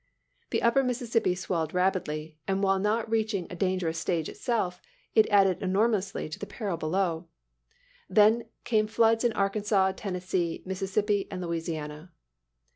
The upper Mississippi swelled rapidly, and while not reaching a dangerous stage itself, it added enormously to the peril below. Then came floods in Arkansas, Tennessee, Mississippi, and Louisiana.